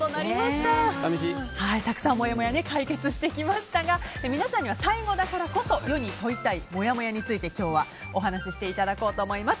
たくさんのもやもやを解決してきましたが皆さんには最後だからこそ世に問いたいもやもやについて今日はお話ししていただこうと思います。